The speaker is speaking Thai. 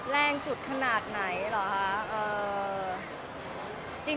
แรงสุดขนาดไหนเหรอคะ